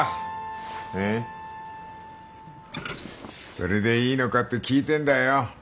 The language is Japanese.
「それでいいのか？」って聞いてんだよ。